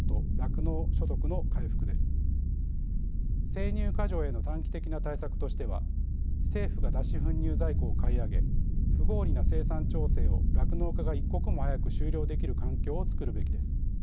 生乳過剰への短期的な対策としては政府が脱脂粉乳在庫を買い上げ不合理な生産調整を酪農家が一刻も早く終了できる環境を作るべきです。